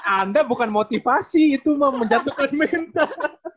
anda bukan motivasi itu mau menjatuhkan mental